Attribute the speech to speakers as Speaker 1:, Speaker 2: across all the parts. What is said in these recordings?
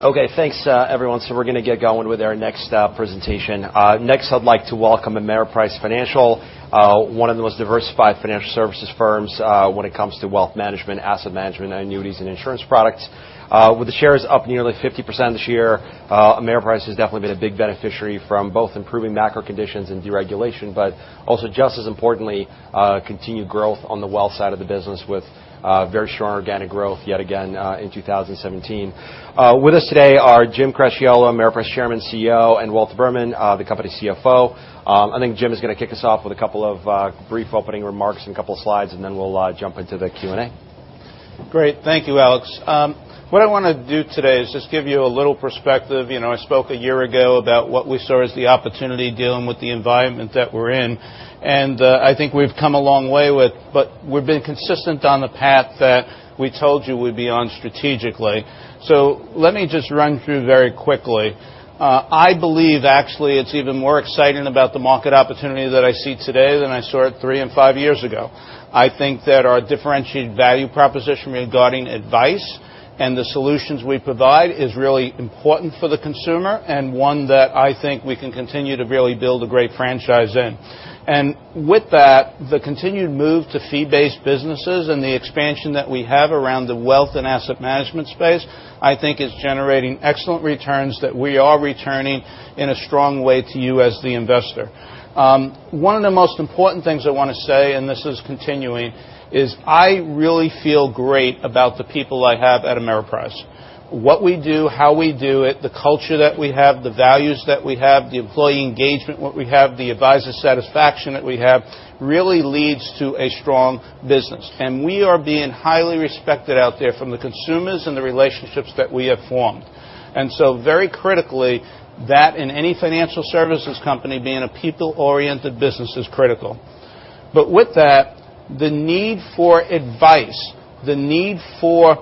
Speaker 1: Okay, thanks everyone. We're going to get going with our next presentation. Next, I'd like to welcome Ameriprise Financial, one of the most diversified financial services firms when it comes to wealth management, asset management, and annuities and insurance products. With the shares up nearly 50% this year, Ameriprise has definitely been a big beneficiary from both improving macro conditions and deregulation, but also just as importantly, continued growth on the wealth side of the business with very strong organic growth yet again in 2017. With us today are Jim Cracchiolo, Ameriprise Chairman, CEO, and Walter Berman, the company CFO. I think Jim is going to kick us off with a couple of brief opening remarks and a couple of slides, and then we'll jump into the Q&A.
Speaker 2: Great. Thank you, Alex. What I want to do today is just give you a little perspective. I spoke a year ago about what we saw as the opportunity dealing with the environment that we're in. I think we've come a long way, we've been consistent on the path that we told you we'd be on strategically. Let me just run through very quickly. I believe, actually, it's even more exciting about the market opportunity that I see today than I saw it three and five years ago. I think that our differentiated value proposition regarding advice and the solutions we provide is really important for the consumer, and one that I think we can continue to really build a great franchise in. With that, the continued move to fee-based businesses and the expansion that we have around the wealth and asset management space, I think is generating excellent returns that we are returning in a strong way to you as the investor. One of the most important things I want to say, this is continuing, is I really feel great about the people I have at Ameriprise. What we do, how we do it, the culture that we have, the values that we have, the employee engagement what we have, the advisor satisfaction that we have, really leads to a strong business. We are being highly respected out there from the consumers and the relationships that we have formed. Very critically, that in any financial services company, being a people-oriented business is critical. With that, the need for advice, the need for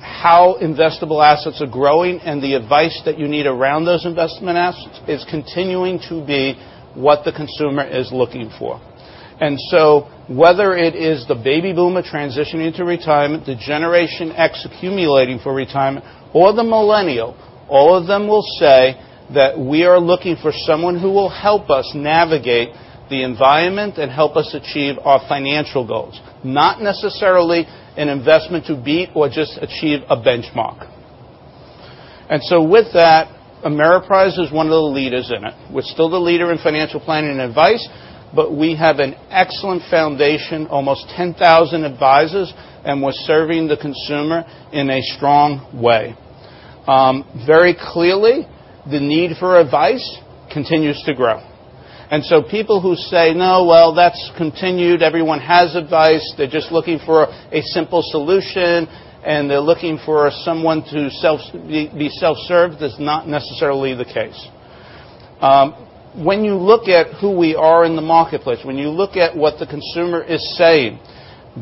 Speaker 2: how investable assets are growing and the advice that you need around those investment assets is continuing to be what the consumer is looking for. Whether it is the baby boomer transitioning to retirement, the generation X accumulating for retirement, or the millennial, all of them will say that we are looking for someone who will help us navigate the environment and help us achieve our financial goals, not necessarily an investment to beat or just achieve a benchmark. With that, Ameriprise is one of the leaders in it. We're still the leader in financial planning and advice, but we have an excellent foundation, almost 10,000 advisors, and we're serving the consumer in a strong way. Very clearly, the need for advice continues to grow. People who say, "No, well, that's continued. Everyone has advice. They're just looking for a simple solution, and they're looking for someone to be self-served" is not necessarily the case. When you look at who we are in the marketplace, when you look at what the consumer is saying,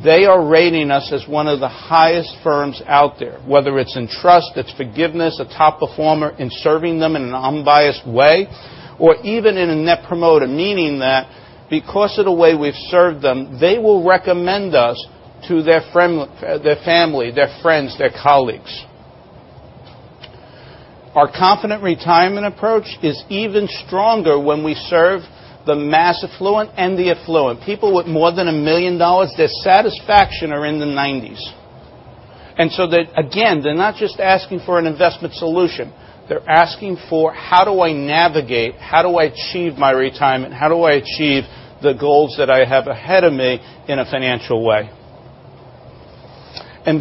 Speaker 2: they are rating us as one of the highest firms out there, whether it's in trust, it's forgiveness, a top performer in serving them in an unbiased way, or even in a Net Promoter, meaning that because of the way we've served them, they will recommend us to their family, their friends, their colleagues. Our Confident Retirement approach is even stronger when we serve the mass affluent and the affluent. People with more than $1 million, their satisfaction are in the 90s. They, again, they're not just asking for an investment solution. They're asking for, how do I navigate? How do I achieve my retirement? How do I achieve the goals that I have ahead of me in a financial way?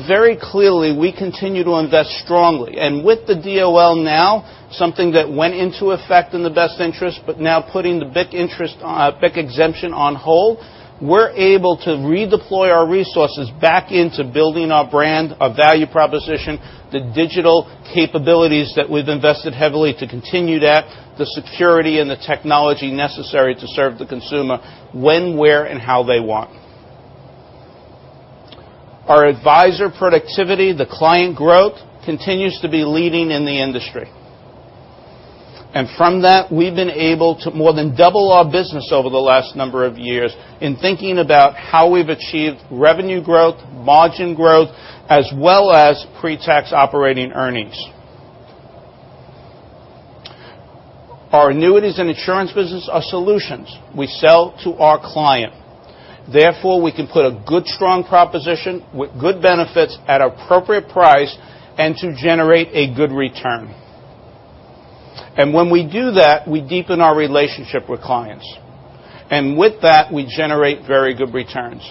Speaker 2: Very clearly, we continue to invest strongly. With the DOL now, something that went into effect in the best interest, but now putting the BIC exemption on hold, we're able to redeploy our resources back into building our brand, our value proposition, the digital capabilities that we've invested heavily to continue that, the security and the technology necessary to serve the consumer when, where, and how they want. Our advisor productivity, the client growth, continues to be leading in the industry. From that, we've been able to more than double our business over the last number of years in thinking about how we've achieved revenue growth, margin growth, as well as pre-tax operating earnings. Our annuities and insurance business are solutions we sell to our client. Therefore, we can put a good, strong proposition with good benefits at an appropriate price and to generate a good return. When we do that, we deepen our relationship with clients. With that, we generate very good returns.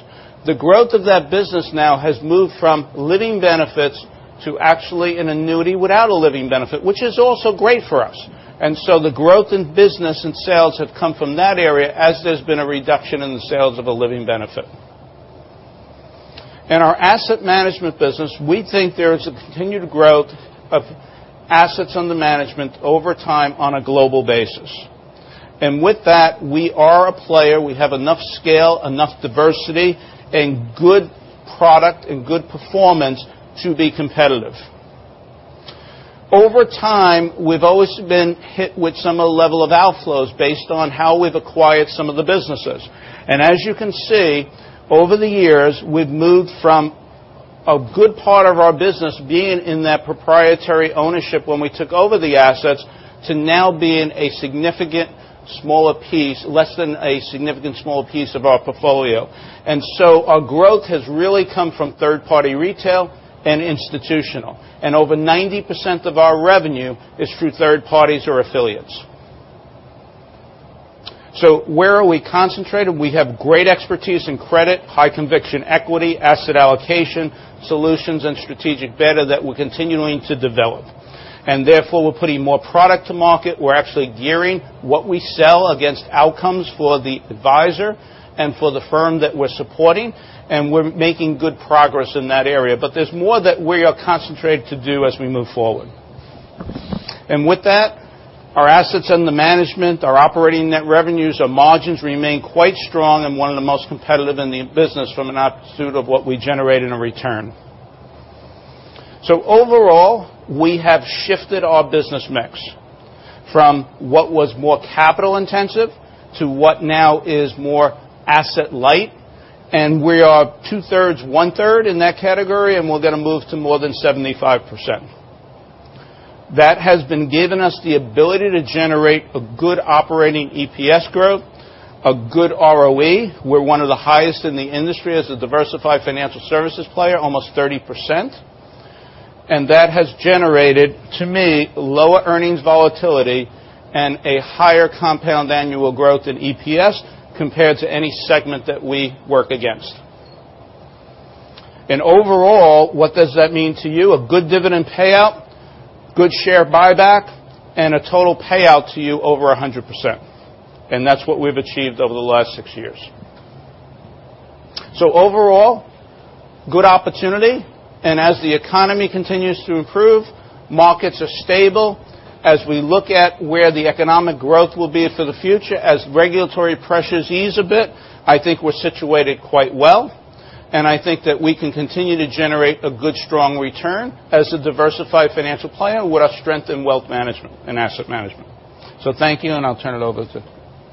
Speaker 2: The growth of that business now has moved from living benefits to actually an annuity without a living benefit, which is also great for us. The growth in business and sales have come from that area as there's been a reduction in the sales of a living benefit. In our asset management business, we think there is a continued growth of assets under management over time on a global basis. With that, we are a player. We have enough scale, enough diversity, and good product and good performance to be competitive. Over time, we've always been hit with some level of outflows based on how we've acquired some of the businesses. As you can see, over the years, we've moved from a good part of our business being in that proprietary ownership when we took over the assets to now being a significant smaller piece, less than a significant smaller piece of our portfolio. Our growth has really come from third-party retail and institutional. Over 90% of our revenue is through third parties or affiliates. Where are we concentrated? We have great expertise in credit, high conviction equity, asset allocation, solutions, and strategic beta that we're continuing to develop. Therefore, we're putting more product to market. We're actually gearing what we sell against outcomes for the advisor and for the firm that we're supporting, and we're making good progress in that area. There's more that we are concentrated to do as we move forward. With that, our assets under management, our operating net revenues, our margins remain quite strong and one of the most competitive in the business from an absolute of what we generate in a return. Overall, we have shifted our business mix from what was more capital intensive to what now is more asset light, and we are two-thirds, one-third in that category, and we're going to move to more than 75%. That has been giving us the ability to generate a good operating EPS growth, a good ROE. We're one of the highest in the industry as a diversified financial services player, almost 30%. That has generated, to me, lower earnings volatility and a higher compound annual growth in EPS compared to any segment that we work against. Overall, what does that mean to you? A good dividend payout, good share buyback, and a total payout to you over 100%. That's what we've achieved over the last six years. Overall, good opportunity, as the economy continues to improve, markets are stable. As we look at where the economic growth will be for the future, as regulatory pressures ease a bit, I think we're situated quite well, and I think that we can continue to generate a good, strong return as a diversified financial player with our strength in wealth management and asset management. Thank you, and I'll turn it over to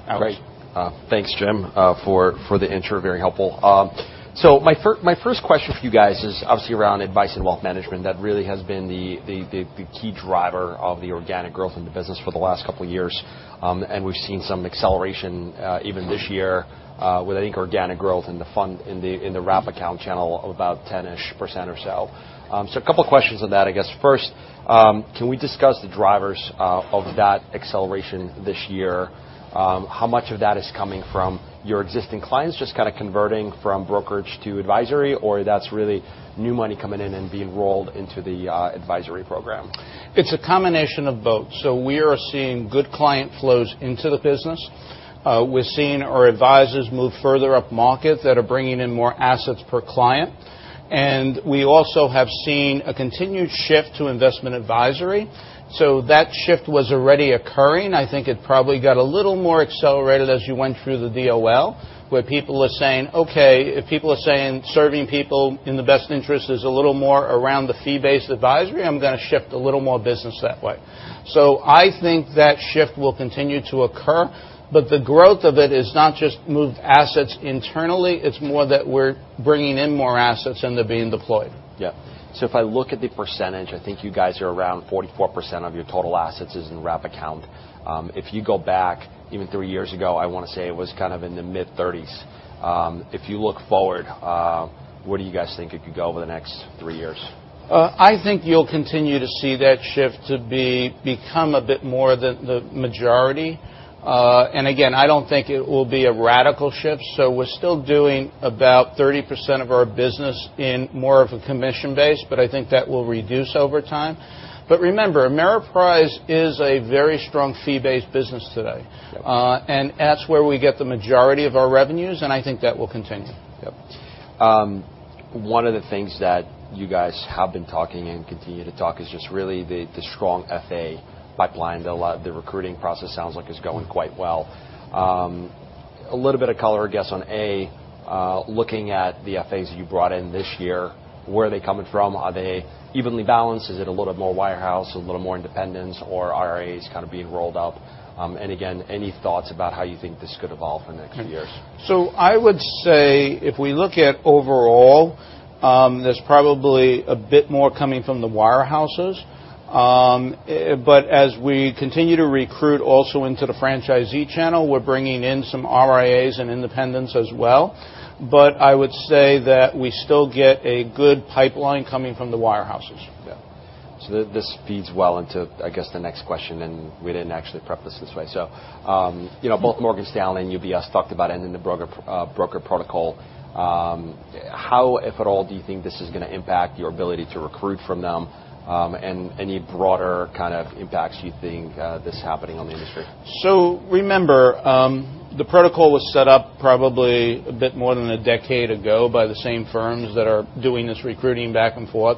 Speaker 2: Alex.
Speaker 1: Great. Thanks, Jim, for the intro. Very helpful. My first question for you guys is obviously around advice and wealth management. That really has been the key driver of the organic growth in the business for the last couple of years. We've seen some acceleration even this year with, I think, organic growth in the wrap account channel of about 10-ish% or so. A couple of questions on that. I guess, first, can we discuss the drivers of that acceleration this year? How much of that is coming from your existing clients just converting from brokerage to advisory, or that's really new money coming in and being rolled into the advisory program?
Speaker 2: It's a combination of both. We are seeing good client flows into the business. We're seeing our advisors move further up market that are bringing in more assets per client. We also have seen a continued shift to investment advisory. That shift was already occurring. I think it probably got a little more accelerated as you went through the DOL, where people are saying, "Okay, if people are saying serving people in the best interest is a little more around the fee-based advisory, I'm going to shift a little more business that way." I think that shift will continue to occur, but the growth of it is not just moved assets internally, it's more that we're bringing in more assets and they're being deployed.
Speaker 1: If I look at the percentage, I think you guys are around 44% of your total assets is in wrap account. If you go back even 3 years ago, I want to say it was in the mid-30s. If you look forward, where do you guys think it could go over the next 3 years?
Speaker 2: I think you'll continue to see that shift to become a bit more the majority. Again, I don't think it will be a radical shift. We're still doing about 30% of our business in more of a commission base, but I think that will reduce over time. Remember, Ameriprise is a very strong fee-based business today.
Speaker 1: Yeah.
Speaker 2: That's where we get the majority of our revenues, and I think that will continue.
Speaker 1: One of the things that you guys have been talking and continue to talk is just really the strong FA pipeline. The recruiting process sounds like it's going quite well. A little bit of color, I guess, on A, looking at the FAs you brought in this year, where are they coming from? Are they evenly balanced? Is it a little bit more wire house, a little more independents or RIA being rolled up? Again, any thoughts about how you think this could evolve in the next few years?
Speaker 2: I would say if we look at overall, there's probably a bit more coming from the wirehouses. As we continue to recruit also into the franchisee channel, we're bringing in some RIA and independents as well. I would say that we still get a good pipeline coming from the wirehouses.
Speaker 1: This feeds well into, I guess, the next question, and we didn't actually prep this way. Both Morgan Stanley and UBS talked about ending the Broker Protocol. How, if at all, do you think this is going to impact your ability to recruit from them? Any broader kind of impacts you think this is happening on the industry?
Speaker 2: Remember, the Broker Protocol was set up probably a bit more than a decade ago by the same firms that are doing this recruiting back and forth.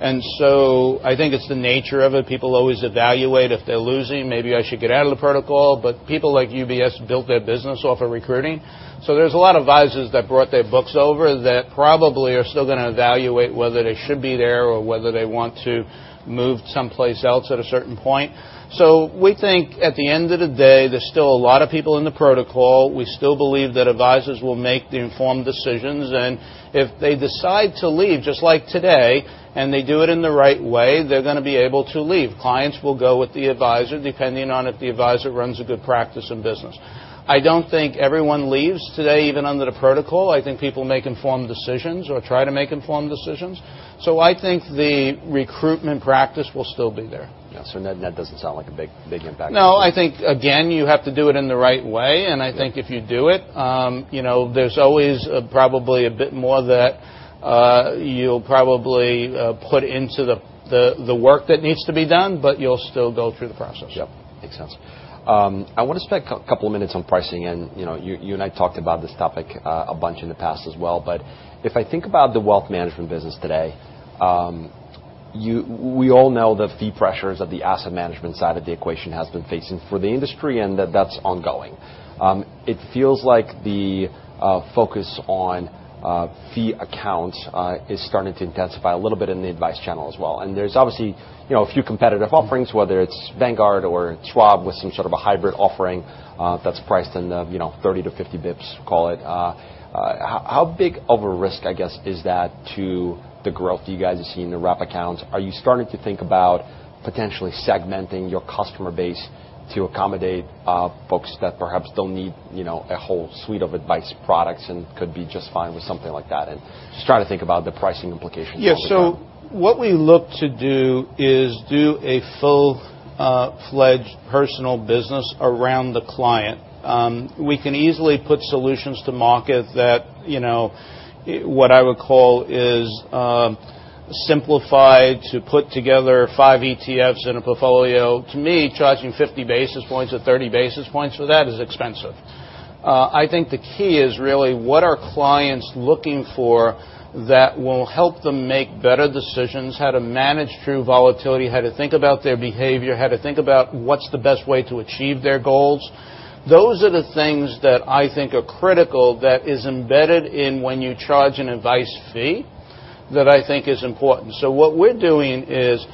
Speaker 2: I think it's the nature of it. People always evaluate if they're losing, "Maybe I should get out of the Broker Protocol." People like UBS built their business off of recruiting. There's a lot of advisors that brought their books over that probably are still going to evaluate whether they should be there or whether they want to move someplace else at a certain point. We think, at the end of the day, there's still a lot of people in the Broker Protocol. We still believe that advisors will make the informed decisions, and if they decide to leave just like today, and they do it in the right way, they're going to be able to leave. Clients will go with the advisor, depending on if the advisor runs a good practice in business. I don't think everyone leaves today, even under the Broker Protocol. I think people make informed decisions or try to make informed decisions. I think the recruitment practice will still be there.
Speaker 1: Yeah. Net doesn't sound like a big impact.
Speaker 2: No, I think, again, you have to do it in the right way, and I think if you do it, there's always probably a bit more that you'll probably put into the work that needs to be done, but you'll still go through the process.
Speaker 1: Yep. Makes sense. I want to spend a couple of minutes on pricing, and you and I talked about this topic a bunch in the past as well, but if I think about the wealth management business today, we all know the fee pressures that the asset management side of the equation has been facing for the industry and that that's ongoing. It feels like the focus on fee accounts is starting to intensify a little bit in the advice channel as well, and there's obviously a few competitive offerings, whether it's Vanguard or Schwab with some sort of a hybrid offering that's priced in the 30 to 50 bips, call it. How big of a risk, I guess, is that to the growth you guys have seen in the wrap accounts? Are you starting to think about potentially segmenting your customer base to accommodate folks that perhaps don't need a whole suite of advice products and could be just fine with something like that? Just trying to think about the pricing implications over time.
Speaker 2: Yeah, what we look to do is do a full-fledged personal business around the client. We can easily put solutions to market that, what I would call is, simplified to put together 5 ETFs in a portfolio. To me, charging 50 basis points or 30 basis points for that is expensive. I think the key is really what are clients looking for that will help them make better decisions, how to manage through volatility, how to think about their behavior, how to think about what's the best way to achieve their goals. Those are the things that I think are critical that is embedded in when you charge an advice fee that I think is important. What we're doing is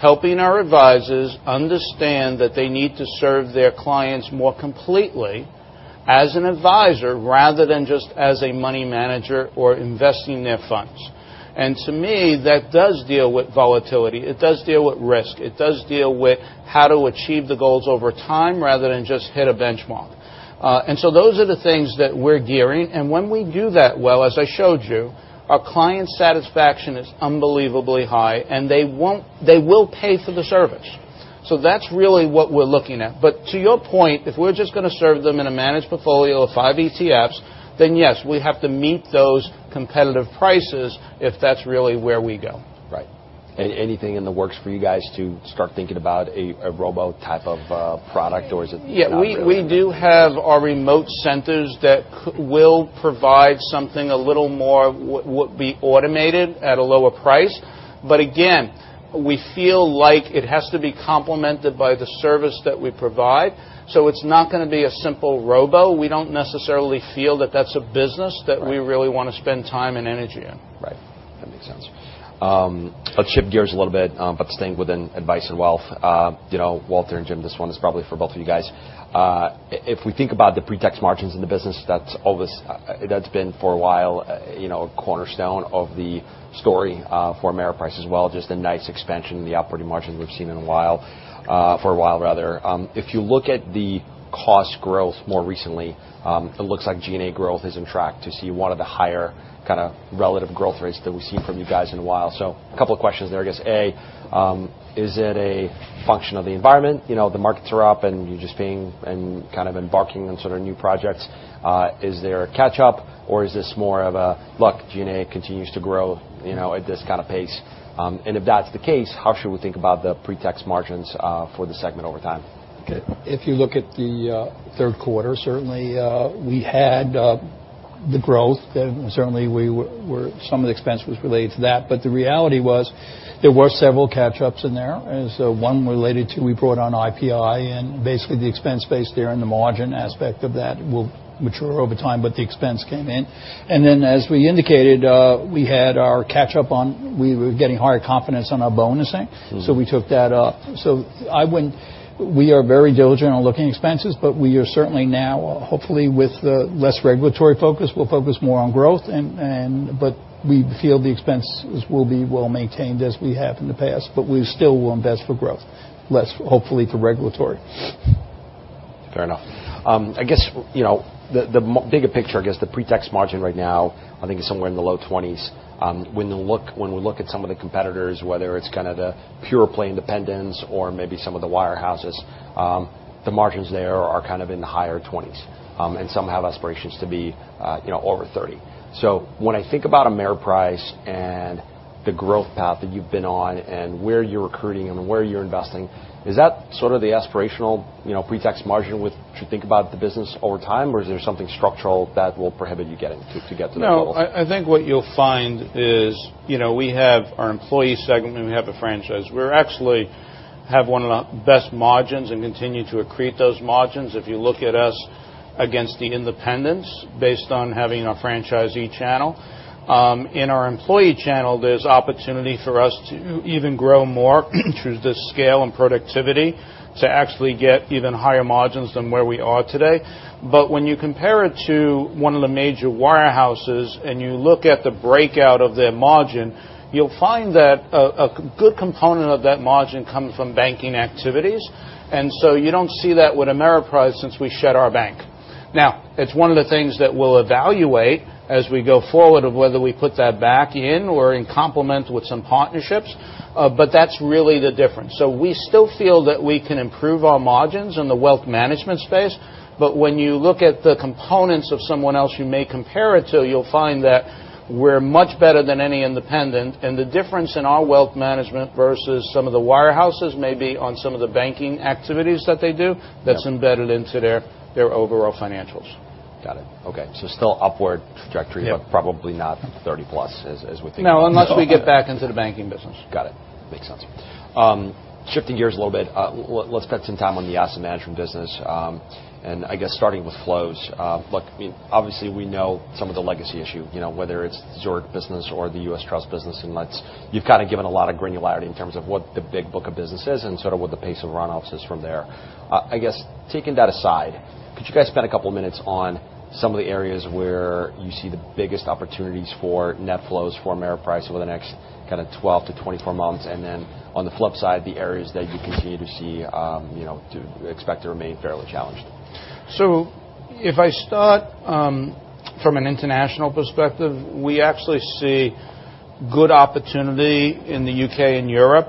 Speaker 2: helping our advisors understand that they need to serve their clients more completely as an advisor rather than just as a money manager or investing their funds. To me, that does deal with volatility. It does deal with risk. It does deal with how to achieve the goals over time rather than just hit a benchmark. Those are the things that we're gearing. When we do that well, as I showed you, our client satisfaction is unbelievably high, and they will pay for the service. That's really what we're looking at. To your point, if we're just going to serve them in a managed portfolio of 5 ETFs, then yes, we have to meet those competitive prices if that's really where we go.
Speaker 1: Right. Anything in the works for you guys to start thinking about a robo-advisor type of product, or is it not really-
Speaker 2: Yeah. We do have our remote centers that will provide something a little more what would be automated at a lower price. Again, we feel like it has to be complemented by the service that we provide. It's not going to be a simple robo-advisor. We don't necessarily feel that that's a business that we really want to spend time and energy in.
Speaker 1: Right. That makes sense. Let's shift gears a little bit, but staying within advice and wealth. Walter and Jim, this one is probably for both of you guys. If we think about the pre-tax margins in the business, that's been for a while, a cornerstone of the story for Ameriprise as well, just a nice expansion in the operating margins we've seen in a while, for a while rather. If you look at the cost growth more recently, it looks like G&A growth is on track to see one of the higher kind of relative growth rates that we've seen from you guys in a while. A couple of questions there, I guess. A, is it a function of the environment? The markets are up, and you're just kind of embarking on sort of new projects. Is there a catch-up, or is this more of a, look, G&A continues to grow at this kind of pace. If that's the case, how should we think about the pre-tax margins for the segment over time?
Speaker 3: Okay. If you look at the third quarter, certainly, we had the growth, and certainly some of the expense was related to that. The reality was there were several catch-ups in there. One related to we brought on IPI, and basically the expense base there and the margin aspect of that will mature over time, but the expense came in. As we indicated, we had our catch up on, we were getting higher confidence on our bonusing. We took that up. We are very diligent on looking at expenses, but we are certainly now, hopefully with less regulatory focus, we'll focus more on growth, but we feel the expenses will be well-maintained as we have in the past, but we still will invest for growth, less hopefully for regulatory.
Speaker 1: Fair enough. I guess, the bigger picture, I guess the pre-tax margin right now, I think is somewhere in the low 20s. When we look at some of the competitors, whether it's kind of the pure play independents or maybe some of the wire houses, the margins there are kind of in the higher 20s, and some have aspirations to be over 30. When I think about Ameriprise and the growth path that you've been on and where you're recruiting and where you're investing, is that sort of the aspirational pre-tax margin with which you think about the business over time, or is there something structural that will prohibit you to get to the goals?
Speaker 2: No, I think what you'll find is we have our employee segment, and we have a franchise. We actually have one of the best margins and continue to accrete those margins. If you look at us against the independents based on having a franchisee channel. In our employee channel, there's opportunity for us to even grow more through the scale and productivity to actually get even higher margins than where we are today. When you compare it to one of the major wire houses and you look at the breakout of their margin, you'll find that a good component of that margin comes from banking activities. You don't see that with Ameriprise since we shut our bank. Now, it's one of the things that we'll evaluate as we go forward of whether we put that back in or in complement with some partnerships. That's really the difference. We still feel that we can improve our margins in the wealth management space, but when you look at the components of someone else you may compare it to, you'll find that we're much better than any independent, and the difference in our wealth management versus some of the wire houses may be on some of the banking activities that they do-
Speaker 1: Yeah
Speaker 2: that's embedded into their overall financials.
Speaker 1: Got it. Okay. Still upward trajectory.
Speaker 2: Yeah
Speaker 1: Probably not 30+ as we think about.
Speaker 2: No, unless we get back into the banking business.
Speaker 1: Got it. Makes sense. Shifting gears a little bit, let's spend some time on the asset management business, and I guess starting with flows. Look, obviously, we know some of the legacy issue, whether it's Zurich business or the U.S. Trust business, and you've kind of given a lot of granularity in terms of what the big book of business is and sort of what the pace of runoffs is from there. I guess taking that aside, could you guys spend a couple of minutes on some of the areas where you see the biggest opportunities for net flows for Ameriprise over the next kind of 12 to 24 months, and then on the flip side, the areas that you continue to see, to expect to remain fairly challenged?
Speaker 2: If I start from an international perspective, we actually see good opportunity in the U.K. and Europe.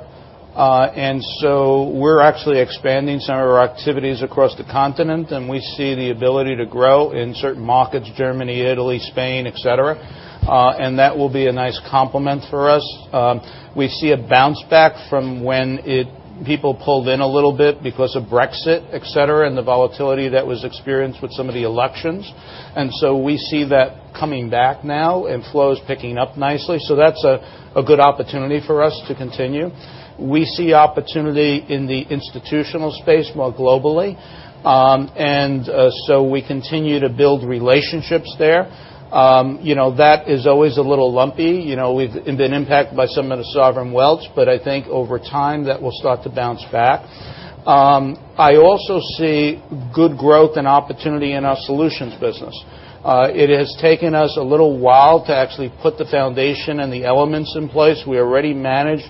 Speaker 2: We're actually expanding some of our activities across the continent, and we see the ability to grow in certain markets, Germany, Italy, Spain, et cetera. That will be a nice complement for us. We see a bounce back from when people pulled in a little bit because of Brexit, et cetera, and the volatility that was experienced with some of the elections. We see that coming back now and flows picking up nicely. That's a good opportunity for us to continue. We see opportunity in the institutional space more globally. We continue to build relationships there. That is always a little lumpy. We've been impacted by some of the sovereign wealth, but I think over time, that will start to bounce back. I also see good growth and opportunity in our solutions business. It has taken us a little while to actually put the foundation and the elements in place. We already manage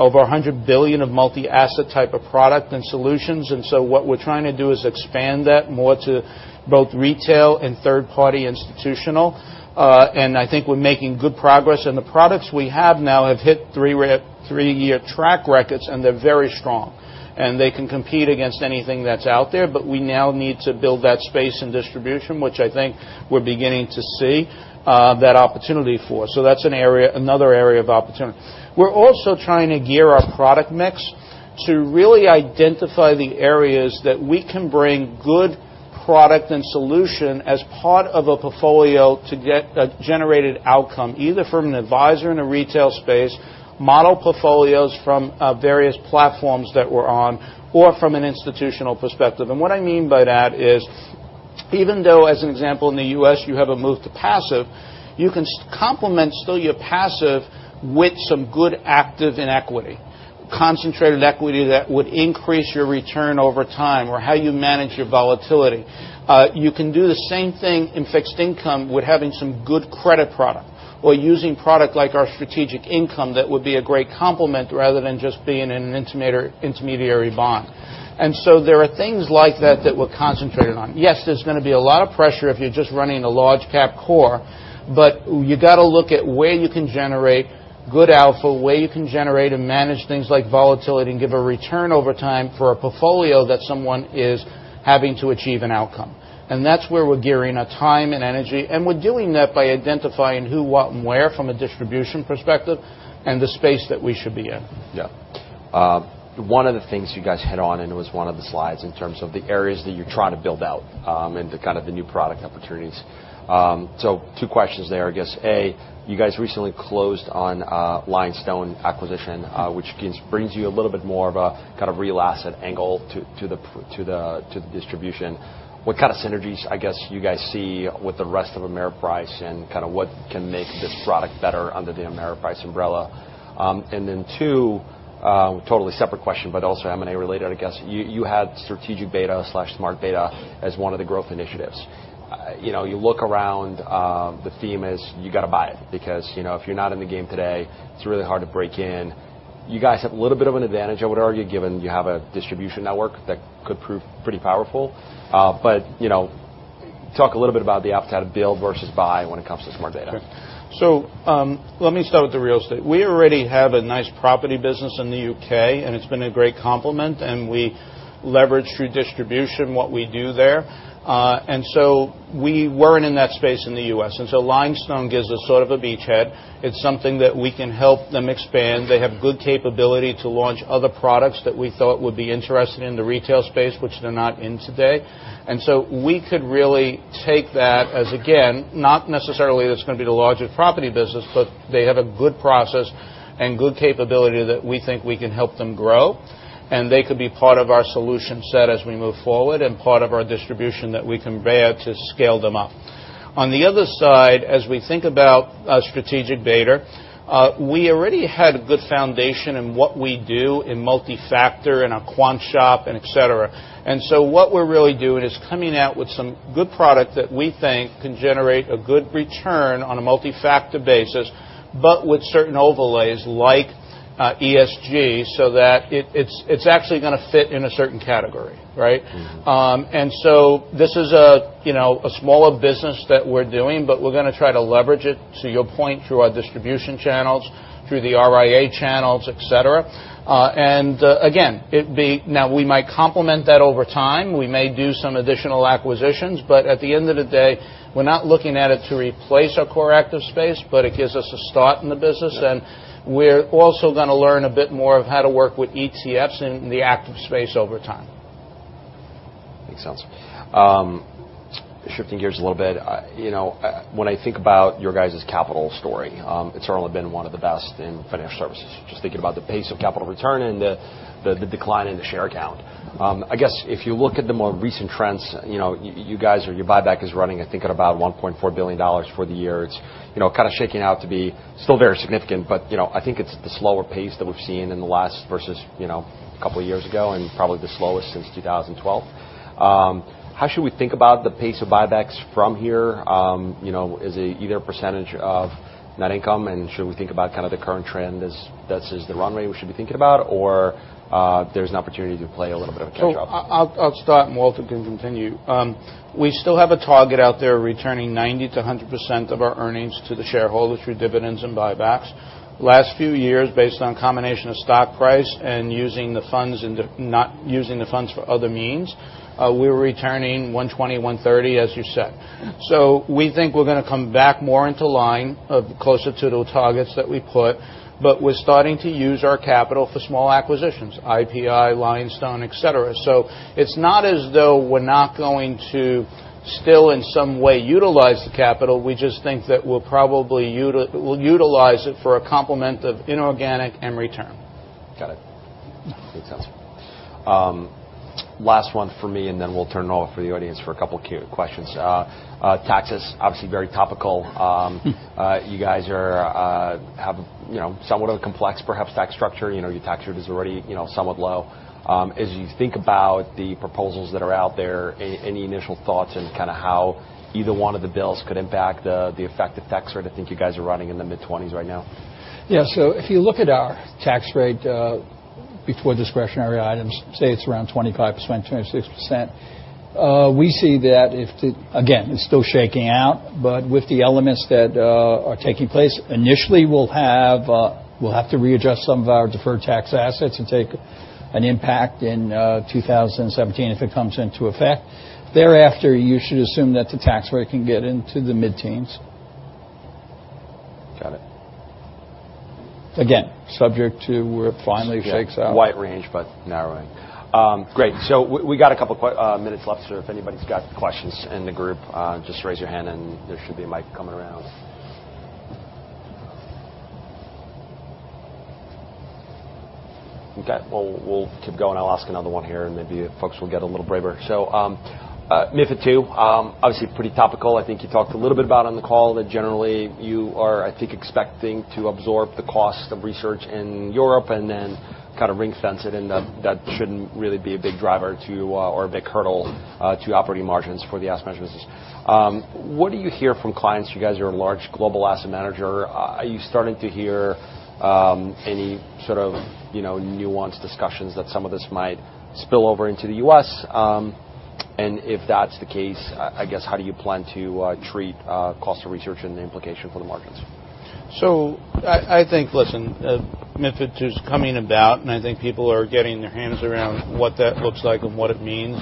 Speaker 2: over $100 billion of multi-asset type of product and solutions, what we're trying to do is expand that more to both retail and third-party institutional. I think we're making good progress. The products we have now have hit three-year track records, and they're very strong, and they can compete against anything that's out there. We now need to build that space and distribution, which I think we're beginning to see that opportunity for. That's another area of opportunity. We're also trying to gear our product mix to really identify the areas that we can bring good product and solution as part of a portfolio to get a generated outcome, either from an advisor in a retail space, model portfolios from various platforms that we're on, or from an institutional perspective. What I mean by that is, even though, as an example, in the U.S., you have a move to passive, you can complement still your passive with some good active and equity, concentrated equity that would increase your return over time or how you manage your volatility. You can do the same thing in fixed income with having some good credit product or using product like our Strategic Income that would be a great complement rather than just being an intermediate bond. There are things like that that we're concentrated on. Yes, there's going to be a lot of pressure if you're just running a large cap core, you got to look at where you can generate good alpha, where you can generate and manage things like volatility and give a return over time for a portfolio that someone is having to achieve an outcome. That's where we're gearing our time and energy, and we're doing that by identifying who, what, and where from a distribution perspective and the space that we should be in.
Speaker 1: Yeah. One of the things you guys hit on. It was one of the slides in terms of the areas that you're trying to build out into kind of the new product opportunities. Two questions there, I guess. A, you guys recently closed on a Lionstone acquisition, which brings you a little bit more of a kind of real asset angle to the distribution. What kind of synergies, I guess, you guys see with the rest of Ameriprise and kind of what can make this product better under the Ameriprise umbrella? Two, totally separate question, but also M&A related, I guess. You had strategic beta/smart beta as one of the growth initiatives. You look around, the theme is you got to buy it because if you're not in the game today, it's really hard to break in. You guys have a little bit of an advantage, I would argue, given you have a distribution network that could prove pretty powerful. Talk a little bit about the appetite of build versus buy when it comes to smart beta.
Speaker 2: Sure. Let me start with the real estate. We already have a nice property business in the U.K., and it's been a great complement. We leverage through distribution what we do there. We weren't in that space in the U.S., so Lionstone gives us sort of a beachhead. It's something that we can help them expand. They have good capability to launch other products that we thought would be interesting in the retail space, which they're not in today. We could really take that as, again, not necessarily that it's going to be the largest property business, but they have a good process and good capability that we think we can help them grow. They could be part of our solution set as we move forward and part of our distribution that we can bear to scale them up. On the other side, as we think about strategic beta, we already had a good foundation in what we do in multi-factor, in our quant shop and et cetera. What we're really doing is coming out with some good product that we think can generate a good return on a multi-factor basis, but with certain overlays like ESG, so that it's actually going to fit in a certain category, right? This is a smaller business that we're doing, but we're going to try to leverage it, to your point, through our distribution channels, through the RIA channels, et cetera. Again, now we might complement that over time. We may do some additional acquisitions. At the end of the day, we're not looking at it to replace our core active space, but it gives us a start in the business.
Speaker 1: Yeah.
Speaker 2: We're also going to learn a bit more of how to work with ETFs in the active space over time.
Speaker 1: Makes sense. Shifting gears a little bit. When I think about your guys' capital story, it's really been one of the best in financial services, just thinking about the pace of capital return and the decline in the share count. I guess if you look at the more recent trends, your buyback is running, I think, at about $1.4 billion for the year. It's shaking out to be still very significant, but I think it's the slower pace that we've seen in the last versus a couple of years ago, and probably the slowest since 2012. How should we think about the pace of buybacks from here? Is it either a % of net income, and should we think about the current trend as the runway we should be thinking about, or there's an opportunity to play a little bit of catch-up?
Speaker 2: I'll start, and Walter can continue. We still have a target out there returning 90%-100% of our earnings to the shareholders through dividends and buybacks. Last few years, based on a combination of stock price and not using the funds for other means, we were returning 120%, 130%, as you said. We think we're going to come back more into line, closer to the targets that we put, but we're starting to use our capital for small acquisitions, IPI, Lionstone, et cetera. It's not as though we're not going to still in some way utilize the capital. We just think that we'll utilize it for a complement of inorganic and return.
Speaker 1: Got it. Makes sense. Last one from me, and then we'll turn it over for the audience for a couple of questions. Taxes, obviously very topical. You guys have somewhat of a complex, perhaps, tax structure. Your tax rate is already somewhat low. As you think about the proposals that are out there, any initial thoughts on how either one of the bills could impact the effective tax rate? I think you guys are running in the mid-20s right now.
Speaker 2: Yeah. If you look at our tax rate, before discretionary items, say it's around 25%, 26%. We see that, again, it's still shaking out, but with the elements that are taking place, initially, we'll have to readjust some of our deferred tax assets and take an impact in 2017 if it comes into effect. Thereafter, you should assume that the tax rate can get into the mid-teens.
Speaker 1: Got it.
Speaker 2: Subject to where it finally shakes out.
Speaker 1: Yeah. Wide range, but narrowing. Great. We got a couple of minutes left. If anybody's got questions in the group, just raise your hand and there should be a mic coming around. Okay. Well, we'll keep going. I'll ask another one here, maybe folks will get a little braver. MiFID II, obviously pretty topical. I think you talked a little bit about it on the call, that generally you are, I think, expecting to absorb the cost of research in Europe and then ring-fence it, that shouldn't really be a big driver to, or a big hurdle to operating margins for the asset management business. What do you hear from clients? You guys are a large global asset manager. Are you starting to hear any nuanced discussions that some of this might spill over into the U.S.? If that's the case, I guess, how do you plan to treat cost of research and the implication for the markets?
Speaker 2: I think, listen, MiFID II's coming about, I think people are getting their hands around what that looks like and what it means.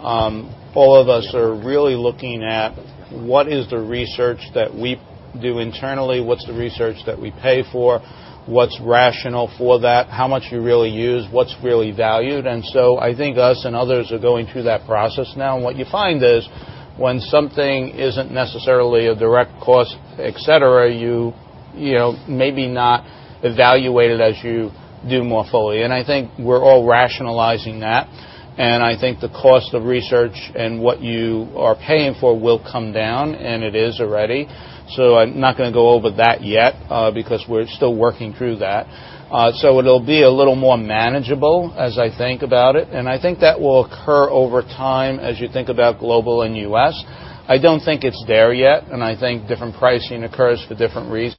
Speaker 2: All of us are really looking at what is the research that we do internally, what's the research that we pay for, what's rational for that, how much you really use, what's really valued, I think us and others are going through that process now. What you find is when something isn't necessarily a direct cost, et cetera, you maybe not evaluate it as you do more fully. I think we're all rationalizing that, I think the cost of research and what you are paying for will come down, it is already. I'm not going to go over that yet, because we're still working through that. It'll be a little more manageable as I think about it, and I think that will occur over time as you think about global and U.S. I don't think it's there yet, and I think different pricing occurs for different reasons.